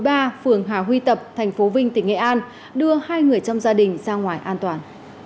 phường hà huy tập thành phố vinh tỉnh nghệ an đưa hai người trong gia đình ra ngoài an toàn